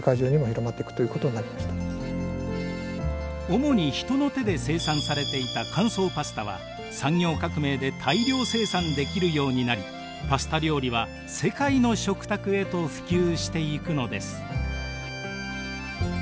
主に人の手で生産されていた乾燥パスタは産業革命で大量生産できるようになりパスタ料理は世界の食卓へと普及していくのです。